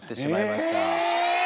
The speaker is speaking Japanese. え！